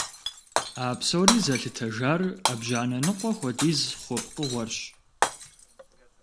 А псори зэлъытэжар Ӏэбжьанэ ныкъуэ хуэдиз хъу пкъыгъуэрщ.